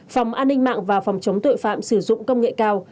phòng an ninh mạng và phòng chống tội phạm sử dụng công nghệ cao